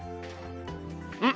うん？